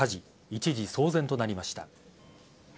一時騒然となりました。